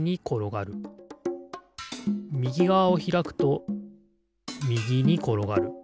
みぎがわをひらくとみぎにころがる。